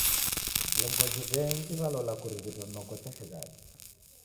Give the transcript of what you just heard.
Vilongozi w'engi w'alola kurighitwa noko chashighadi.